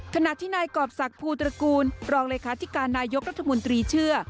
ขณะที่นายกรอบศักดิภูตระกูลรองเลขาธิการนายกรัฐมนตรีเชื่อ